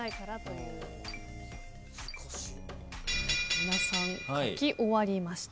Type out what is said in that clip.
皆さん書き終わりました。